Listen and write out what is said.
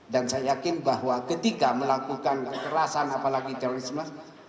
dan saya yakin bahwa ketika melakukan kekerasan apalagi terorisme